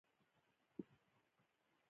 چې حکومت یې په رسمیت پېژني.